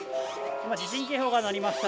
今、地震警報が鳴りました。